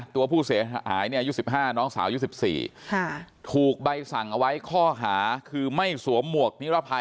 ตัวผู้เสียหายเนี่ยอายุ๑๕น้องสาวอายุ๑๔ถูกใบสั่งเอาไว้ข้อหาคือไม่สวมหมวกนิรภัย